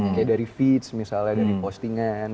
kayak dari feeds misalnya dari postingan